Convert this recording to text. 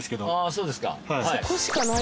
そうですかはい。